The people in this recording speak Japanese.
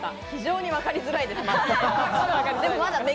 非常にわかりづらいです、まだ。